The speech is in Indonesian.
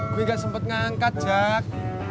gue gak sempet ngangkat cak